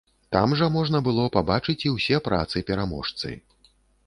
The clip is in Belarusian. Там жа можна было пабачыць і ўсе працы-пераможцы.